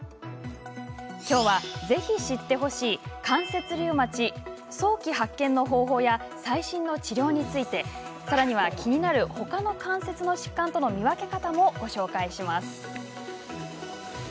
きょうは、ぜひ知ってほしい関節リウマチ早期発見の方法や最新の治療について、さらには気になるほかの関節の疾患との見分け方もご紹介します。